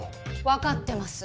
わかってます。